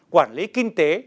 quản lý kinh tế